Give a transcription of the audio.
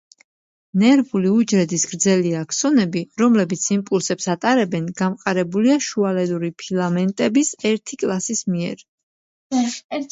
ნერვული უჯრედის გრძელი აქსონები, რომლებიც იმპულსებს ატარებენ, გამყარებულია შუალედური ფილამენტების ერთი კლასის მიერ.